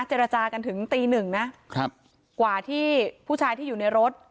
เจรจากันถึงตีหนึ่งนะครับกว่าที่ผู้ชายที่อยู่ในรถ